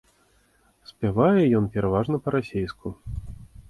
Спявае ён пераважна па-расейску.